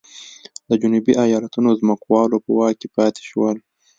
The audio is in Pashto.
د جنوبي ایالتونو ځمکوالو په واک کې پاتې شول.